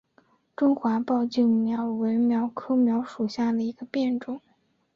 中华抱茎蓼为蓼科蓼属下的一个变种。